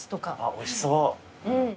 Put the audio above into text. おいしそう。